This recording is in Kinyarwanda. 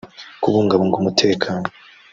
“Kubungabunga umutekano”